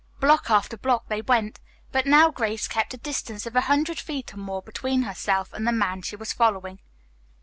Block after block they went, but now Grace kept a distance of a hundred feet or more between herself and the man she was following.